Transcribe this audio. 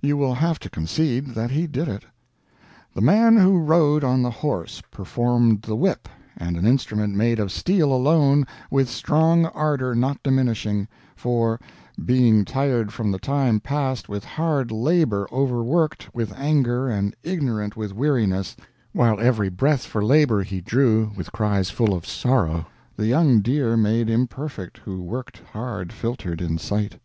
You will have to concede that he did it: "The man who rode on the horse performed the whip and an instrument made of steel alone with strong ardor not diminishing, for, being tired from the time passed with hard labor overworked with anger and ignorant with weariness, while every breath for labor he drew with cries full of sorrow, the young deer made imperfect who worked hard filtered in sight."